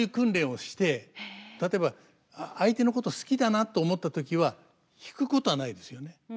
例えば相手のこと好きだなと思った時は引くことはないですよね。